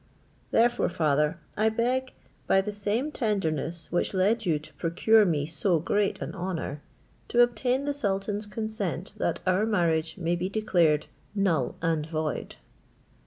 Therefore, father, I beg, by the same tenderness which led you to procure me so great an honour, to obtain the sultan's consent that our marriage may be declared null and void."